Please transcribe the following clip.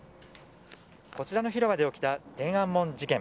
こちらの広場で起きた天安門事件。